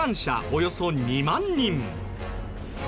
およそ２万人。